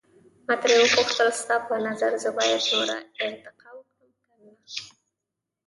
ما ترې وپوښتل، ستا په نظر زه باید نوره ارتقا وکړم که یا؟